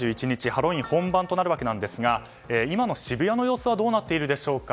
ハロウィーン本番となりますが今の渋谷の様子はどうなっているでしょうか。